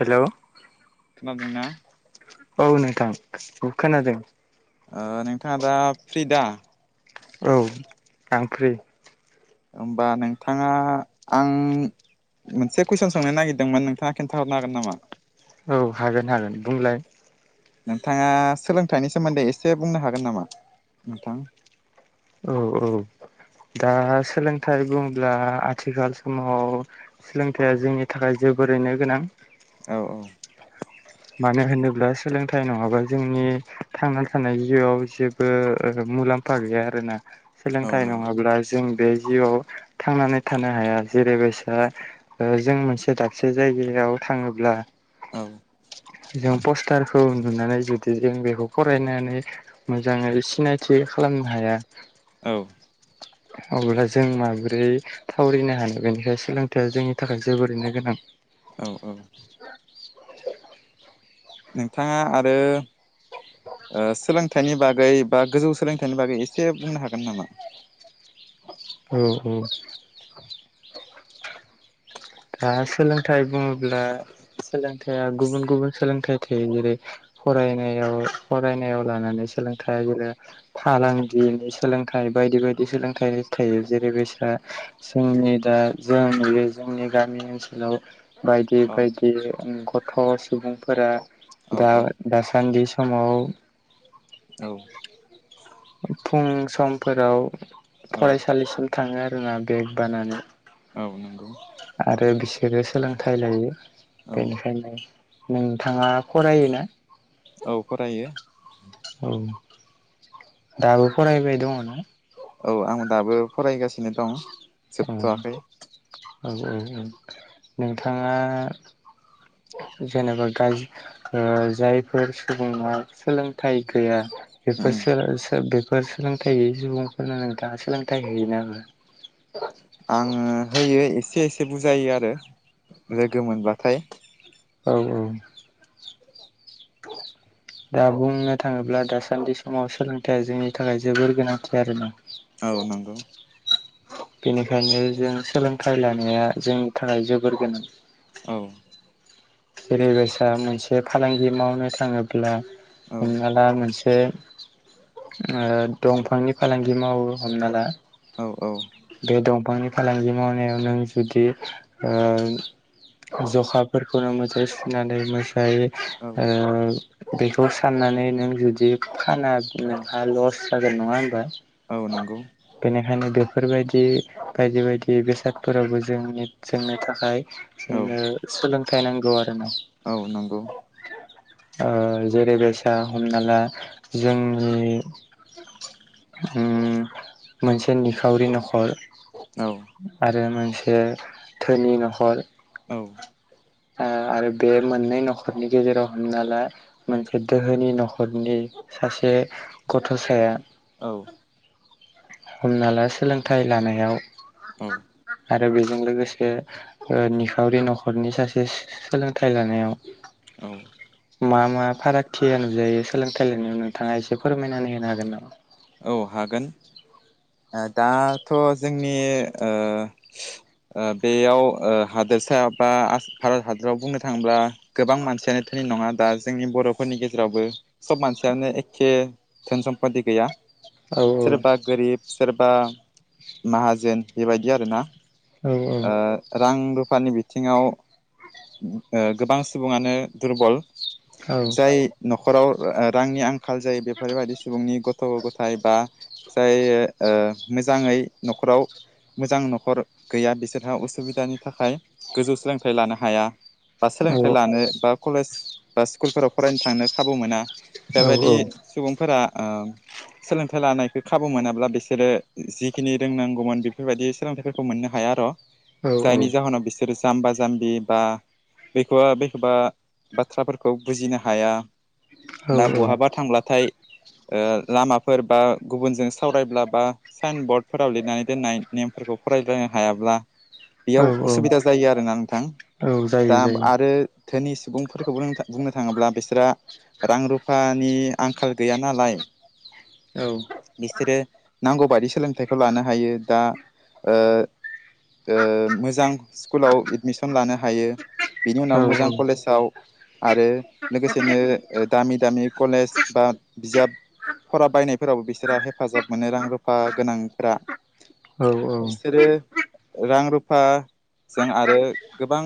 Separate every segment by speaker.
Speaker 1: हेल'।
Speaker 2: खानादोंना?
Speaker 1: औ नोंथां खोनादों।
Speaker 2: ओ नोंथाङा दा फ्रि दा?
Speaker 1: औ आं फ्रि।
Speaker 2: होमबा नोंथाङा आं मोनसे कुइसन सोंनो नागिरदोंमोन नोंथाङा खिनथाहरनो हागोन नामा?
Speaker 1: औ हागोन हागोन बुंलाय?
Speaker 2: नोंथाङा सोलोंथाइनि सोमोन्दै एसे बुंनो हागोन नामा नोंथां?
Speaker 1: औ औ दा सोलोंथाइ बुङोब्ला आथिखाल समाव सोलोंथाइया जोंनि थाखाय जोबोरैनो गोनां।
Speaker 2: औ औ।
Speaker 1: मानो होनोब्ला सोलोंथाइ नङाबा जोंनि थांना थानाय जिउआव जे ओ मुलाम्फा गैया आरोना
Speaker 2: औ
Speaker 1: सोलोंथाइ
Speaker 2: नंगौ
Speaker 1: नङाब्ला जों बे जिउआव थांनानै थानो हाया जेरैबायसा ओ जों मोनसे दाबसे जायगायाव थाङोब्ला
Speaker 2: औ।
Speaker 1: जों पस्टारखौ नुनानै जुदि जों बेखौ फरायनानै मोजाङै सिनायथि खालामनो हाया।
Speaker 2: औ
Speaker 1: अब्ला जों माबोरै थावरनो हानो बेनिखायनो सोलोंथायाइया जोंनि थाखाय जोबोरैनो गोनां
Speaker 2: औ औ नोंथाङा आरो सोलों फिथाइनि बागै बा गोजौ सोलोंथाइनि बागै एसे बुंनो हागोन नामा
Speaker 1: औ औ दा सोलोंथाइ बुङोब्ला सोलोंथाइया गुबुन गुबुन सोलोंथाइ थायो जेरै फरायनायाव फरायनायाव लानानै सोलोंथाइया बेला फालांगिनि सोलोंथाइ बायदि बायदि सोलोंथाइ थायो जेरै बेस्रा जोंनि दा जों जोंनि गामि ओनसोलाव बायदि
Speaker 2: औ
Speaker 1: बायदि गथ' सुबुंफोरा
Speaker 2: औ
Speaker 1: दा
Speaker 2: औ
Speaker 1: दासान्दि समाव
Speaker 2: औ
Speaker 1: फुं समफोराव
Speaker 2: औ
Speaker 1: फरायसालिसिम थाङो आरोना बेग बानानै
Speaker 2: औ नंगौ
Speaker 1: आरो बिसोरो सोलोंथाइ लायो
Speaker 2: औ
Speaker 1: बेनिखायनो नोंथाङा फरायोना
Speaker 2: औ फरायो
Speaker 1: औ दाबो फरायबाय दङ ना?
Speaker 2: औ आं दाबो फरायगासिनो दं
Speaker 1: उम
Speaker 2: जोबथ'वाखै
Speaker 1: औ औ नोंथाङा जेनेबा गाज्रि जायफोर सुबुङा सोलोंथाइ गैया बेफोर
Speaker 2: उम
Speaker 1: सोलों बेफोर सोलोंथाइ गोयै सुबुंफोरनो नोंथाङा सोलोंथाइ होयो
Speaker 2: आङो होयो एसे एसे बुजायो आरो लोगो मोनब्लाथाय
Speaker 1: औ औ
Speaker 2: [unintelligible]
Speaker 1: दा बुंनो थाङोब्ला दासान्दि समाव सोलोंथाइया जोंनि थाखाय जोबोर गोनांथि आरोना
Speaker 2: औ नंगौ
Speaker 1: बेनिखायनो जों सोलोंथाइ लानाया जोंनि थाखाय जोबोर गोनां
Speaker 2: औ
Speaker 1: जेरै गोसा मोनसे फालांगि मावनो थाङोब्ला
Speaker 2: औ
Speaker 1: हमना ला मोनसे बे दंफांनि फालांगि मावो हमना ला
Speaker 2: औ औ
Speaker 1: बे दंफांनि फालांगि मावनायाव नों जुदि ओ जखाफोरखौनो मोजाङै सुनानै मोजाङै
Speaker 2: औ
Speaker 1: ओ बेखौ साननानै नों जुदि फानबा नोंहा लस जागोन नङा होमबा
Speaker 2: औ नंगौ
Speaker 1: बेनिखायनो बे बेफोरबायदि बायदि बायदि बेसादफोरावबो जोंनि जोंनो थाखाय
Speaker 2: औ
Speaker 1: जोंनो सोलोंथाइ नांगौ आरो ना
Speaker 2: औ नंगौ
Speaker 1: ओ जेरै बायसा हमना ला जोंनि उम मोनसे नि खावरि न'खर
Speaker 2: औ
Speaker 1: आरो मोनसे धोनि न'खर
Speaker 2: औ
Speaker 1: आरो बे मोननै न'खरनि गेजेराव हमना ला मोनसे दोहोनि न'खरनि सासे गथ'साया
Speaker 2: औ
Speaker 1: हमना ला सोलोंथाइ लानायाव
Speaker 2: औ
Speaker 1: आरो बेजों लोगोसे निखावरि न'खरनि सासे सोलोंथाइ लानायाव
Speaker 2: औ
Speaker 1: मा मा फारागथिया नुजायो सोलोंथाइ लायनायाव नोंथाङा एसे फोरमायनानै होनो हागोन नामा
Speaker 2: औ हागोन दाथ' जोंनि ओ ओ बेयाव ओ हादोरसा बा भारत हादोराव बुंनो थाङोब्ला गोबां मानसियानो थैयो नङा दा जोंनि बर' फोरनि गेजेरावबो सब मानसियानो एखे धोन सम्पि गैया
Speaker 1: औ
Speaker 2: सोरबा गोरिब सोरबा माहाजोन बेबायदि आरो ना। ओ
Speaker 1: औ
Speaker 2: रां रुफानि बिथिङाव ओ गोबां सुबुङानो दुरबल
Speaker 1: औ
Speaker 2: जाय न'खराव रांनि आंखाल जायो बेफोरबायदि सुबुंनि गथ' गथ' नाथाय बा जाय ओ मोजाङै न'खराव मोजां न'खर गैया बिसोरहा उसुबिदानि थाखाय गोजौ सोलोंथाइ लानो हाया। बा
Speaker 1: औ
Speaker 2: सोलोंथाइ
Speaker 1: औ
Speaker 2: लानो बा कलेज बा स्कुलफोराव फरायनो थांनो खाबु मोना
Speaker 1: औ
Speaker 2: बेबायदि सुबुंफोरा ओ सोलोंथाइ लानायखौ खाबु मोनाब्ला बिसोरो जिखिनि रोंनांगौमोन बेफोरबायदि सोलोंथाइफोरखौ मोननो हाया र' जाय निजा हा बिसोर जाम्बा जाम्बि बा बेखौबा बेखौबा बाथ्राफोरखौ बुजिनो हाया। दा बहाबा
Speaker 1: औ
Speaker 2: थांब्लाथाय ओ लामा फोर बा गुबुनजों सावरायब्लाबा साइन बरर्डफोराव लिरनानै दोननाय नेमफोरखौ फरायलायनो हायाब्ला
Speaker 1: औ
Speaker 2: बेयाव उसुबिदा जायो आरोना नोंथां
Speaker 1: औ जायो
Speaker 2: दा
Speaker 1: जायो
Speaker 2: आरो धोनि सुबुंफोरखौ बुंनो थाङोब्ला बिसोरो रां रुफा नि आंखाल गैया नालाय
Speaker 1: औ
Speaker 2: बिसोरो नांगौ बाददि सोलोंथाइखौ लानो हायो दा ओ ओ मोजां स्कुलाव एडमिसन लानो हायो। बिनि
Speaker 1: औ
Speaker 2: उनाव मोजां कलेजाव आरो लोगोसेनो दामि दामि कलेज बा बिजाब फरा बायनाय फोरावबो बिसोरहा हेफाजाब मोनो रां रुफा गोनांफोरा
Speaker 1: औ
Speaker 2: बिसोरो रां रुफाजों आरो गोबां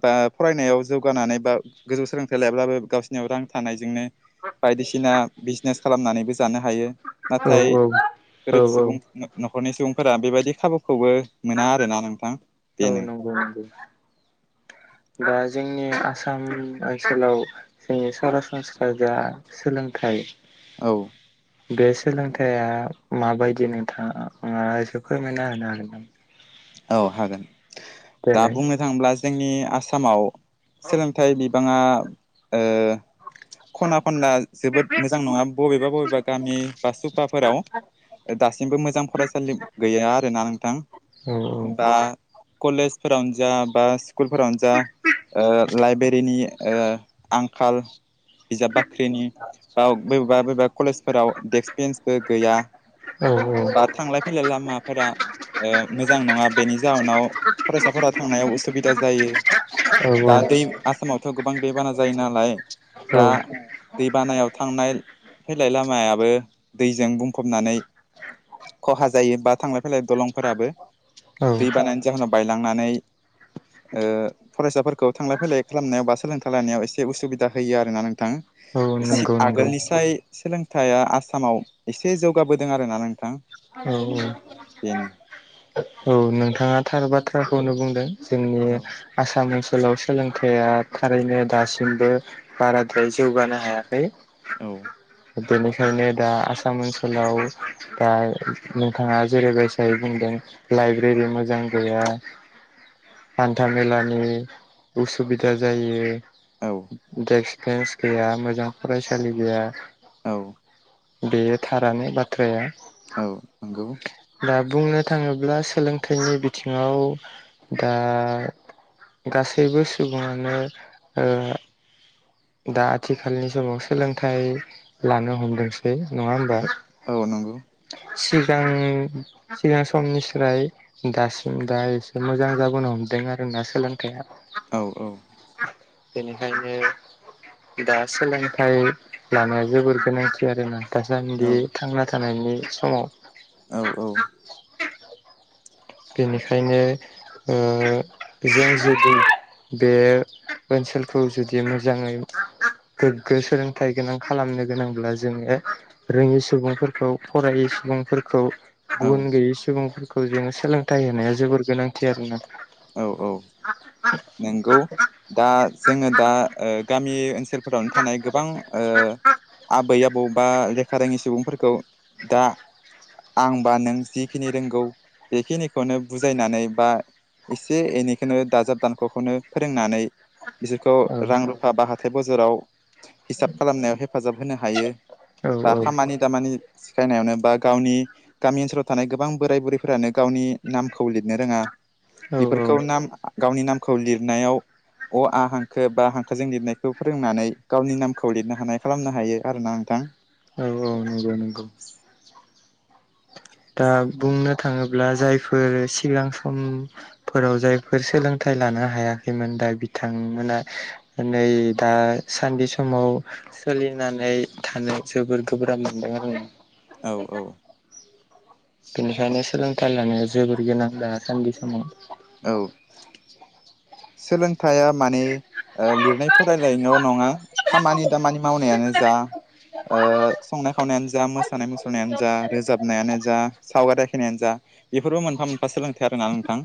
Speaker 2: बा फरायनायाव जौगानानै बा गोजौ सोलोंथाइ लायाबबो गावसिनियाव रां थानायजोंनो बायदिसिना बिस बिजनेस खालामनानैबो जानो हायो नाथाय
Speaker 1: औ औ
Speaker 2: गोरिब
Speaker 1: औ
Speaker 2: सुबुं न'खरनि सुबुंफोरा बेबायदि खाबुखौबो मोना आरोना नोंथां बेनो।
Speaker 1: नंगौ दा जोंनि आसाम ओनसोलाव जोंनि सरासनस्रा जा सोलोंथाइ
Speaker 2: औ
Speaker 1: बे सोलोंथाइया माबायदि नोंथाङा माबााससे फोरमायना होनो हागोन नामा?
Speaker 2: औ हागोन दा
Speaker 1: देलाय
Speaker 2: बुंनो थाङोब्ला जोंनि आसामाव सोलोंथाइ गोबाङा ओ खना खनला जोबोद मोजां नङा बबेबा बबेबा गामि बा सुपाफोराव दासिमबो मोजां फरायसालि गैया आरोना नोंथां।
Speaker 1: औ
Speaker 2: दा कलेजफोरावनो जा बा स्कुलफोरावनो जा ओ लाइब्रेरिनि ओ आंखाल बिजाब बाख्रिनि बाव बबेबा बबेबा कलेजफोराव दडेक्क बेन्सबो गैया।
Speaker 1: औ
Speaker 2: बा थांलाय फैलाय लामाफोरा ओ मोजां नङा बेनि जााहोनाव फरायसाफोरा थांनायाव उसुबिदा जायो। दा दै आसामावथ' गोबां दै बाना जायो नालाय
Speaker 1: औ
Speaker 2: दा दै बानायाव थांनाय फैलाय लामायाबो दैजों बुंफबनानै खहा जायो बा थांलाय फैलाय दलंफोराबो
Speaker 1: औ
Speaker 2: दै बानानि जाहोनाव बायलांनानै ओ फरायसाफोरखौ थांलाय फैलाय खालामनायाव बा सोलोंथाइ लायानायाव एसे उसुबिदा होयो आरो ना नोंथां।
Speaker 1: औ
Speaker 2: इसे
Speaker 1: नंगौ नंगौ
Speaker 2: आगोलनिसाय सोलोंथाइया आसामाव एसे जौगाबोदों आरोना नोंथां,
Speaker 1: औ औ
Speaker 2: बेनो।
Speaker 1: औ नोंथाङा थार बाथ्राखौनो बुंदों जोंनि
Speaker 2: औ
Speaker 1: आसाम मोनसे स्कुलाव सोलोंथाइया थारैनो दासिमबो बाराद्राय जौगानो हायाखै।
Speaker 2: औ
Speaker 1: बेनिखायनो दा आसाम ओनसोलाव, दा नोंथाङा जेरैबायसायै बुंदों लाइब्रेरि मोजां गैया हान्था मेलानि उसुबिदा
Speaker 2: औ
Speaker 1: जायो डेक्स बेन्स गैया मोजां फरायसालि गैया
Speaker 2: औ
Speaker 1: बेयो थारानो बाथ्राया
Speaker 2: औ नंगौ
Speaker 1: दा बुंनो थाङोब्ला सोलोंथाइनि बिथिङाव दा गासैबो सुबुङानो ओ दा आथिखालनि समाव सोलोंथाइ लानो हमदोंसै नङा होमबा?
Speaker 2: औ नंगौ
Speaker 1: सिगां सिगां समनिस्राय दासिम दा एसे मोजां जाबोनो हमदों आरोना सोलोंथाइया।
Speaker 2: औ औ
Speaker 1: बेनिखायनो दा सोलोंथाइ लानाय जोबोर गोनांथि आरोना
Speaker 2: औ
Speaker 1: दासान्दि थांना थानायनि समाव
Speaker 2: औ औ
Speaker 1: बेनिखायनो ओ जों जुदि बे ओनसोलखौ जुदि मोजाङै गोग्गो सोलोंथाइ गोनां खालामनो गोनांब्ला जोङो रोङि सुबुंफोरखौ फरायै सुबुंफोरखौ
Speaker 2: औ
Speaker 1: गुबु गैयै सुबुंफोरखौ जोङो सोलोंथाइ होनाया जोबोर गोनांथि आरोना।
Speaker 2: औ औ नोंगौ। दा जोङो दा ओ गामि ओनसोलफोरावनो थानाय गोबां ओ आबै आबौ बा लेखा रोङि सुबुंफोरखौ दा आं बा नों जिखिनि रोंगौ बेखिनिखौनो बुजायनानै बा एसे एनैखौनो दाजाब दानख'खौनो फोरोंनानै बिसोरखौ
Speaker 1: औ
Speaker 2: रां रुफा बा हाथाय बजाराव हिसाब खालामनायाव हेफाजाब होनो हायो।
Speaker 1: औ
Speaker 2: बा खामानि दामानि सिखायनायावनो एबा गावनि गामि ओनसोलाव थानाय गोबां बोराय बुरैफोरानो गावनि नामखौ लिरनो रोङा
Speaker 1: औ औ
Speaker 2: बेफोरखौ नाम गावनि नामखौ लिरनायाव अ आ हांखो बा हांखोजों लिरनायखौ फोरोंनानै गावनि नामखौ लिरनो हानाय खालामनो हायो आरोना नोंथां।
Speaker 1: औ औ नंगौ नंगौ। दा बुंनो थाङोब्ला जायफोर सिगां सम फोराव जायफोर सोलोंथाइ लानो हायाखैमोन दा बिथांमोना नै दासान्दि समाव सोलिनानै थानो जोबोर गोब्राब मोनदोंआरो।
Speaker 2: औ औ
Speaker 1: बेनिखायनो सोलोंथाइ लानाया जोबोर गोनां दासान्दि समाव।
Speaker 2: औ सोलोंथायाइया माने लिरनाय फरायलायनायल' नङा खामानि दामानि मावनायानो जा ओ संनाय खावनायानो जा मोसानाय मुसुरनायानो जा रोजाबनायानो जा सावगारि आखिनायानो जा बेफोरबो मोनफा मोनफा सोलोंथाइ आर ना नोंथां।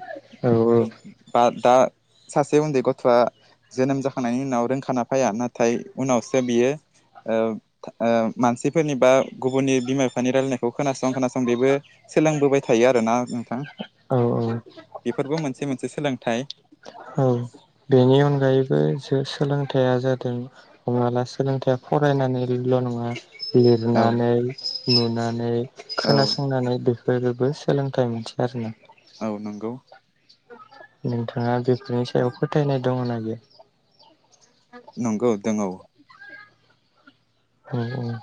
Speaker 1: औ
Speaker 2: बा दा सासे उन्दै गथ'आ जोनोम जाखांनायनि उनाव रोंखाना फाया नाथाय उनावसो बियो ओ ओ मानसिफोरनि बा गुबुननि बिमा बिफानि रायलायनायखौ खोनासं खोनासं बेबो सोलोंबोबाय थायो आरोना नोंथां।
Speaker 1: औ औ
Speaker 2: बेफोरबो मोनसे मोनसे सोलोंथाइ।
Speaker 1: औ बेनि उन जाहैबाय सो सोलोंथाया जादों हमनाला सोलोंथाया फरायनानैल' नङा
Speaker 2: औ
Speaker 1: लिरनानै नुनानै
Speaker 2: औ
Speaker 1: खोनासंनानै बेखो गोबो सोलोंथाइ मोनथि आरोना
Speaker 2: औ नंगौ
Speaker 1: नोंथाङा बेफोरनि सायाव फोथायनाय दङ ना गैया
Speaker 2: नंगौ दों औ
Speaker 1: औ औ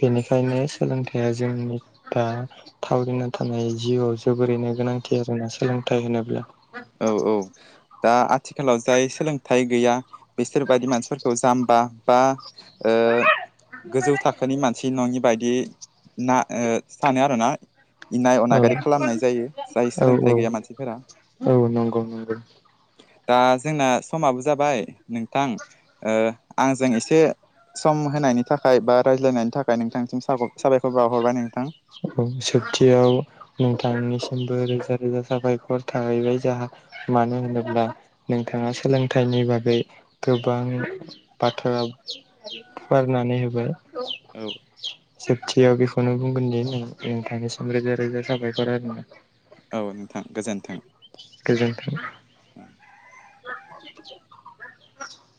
Speaker 1: बेनिखायनो सोलोंथाया जोंनि था थावरिना थानाय जिउआव जोबोरैनो गोनांथि आरोना सोलोंथाइ होनोब्ला
Speaker 2: औ औ दा आथिखालाव जाय सोलोंथाइ गैया बिसोरबादि मानसिफोरखौ जाम्बा बा ओ गोजौ थाखोनि मानसि नङि बायदि ना सानो आरोना इनाय
Speaker 1: औ
Speaker 2: अनागारि खालामनाय जायो जाय
Speaker 1: औ औ
Speaker 2: सोलोंथाइ गैया मानसिफोरा
Speaker 1: औ नंगौ नंगौ
Speaker 2: दा जोंना समाबो जाबाय नोंथां ओ आंजों एसे सम होनायनि थाखाय बा रायज्लायनायनि थाखाय नोंथांसिम साबायखर बावहरबाय नोंथां
Speaker 1: औ सोबथियाव नोंथांनिसिमबो रोजा रोजा साबायखर थाहैबाय जाहा मानो होनोब्ला नोंथाङा सोलोंथाइनि बागै गोबां बाथ्रा फुवारनानै होबाय
Speaker 2: औ
Speaker 1: जोबथियाव बेखौनो बुंगोन दि नों नोंथांनिसिम रोजा रोजा साबायखर आरो ना
Speaker 2: औ नोंथां गोजोन्थों
Speaker 1: गोजोनथों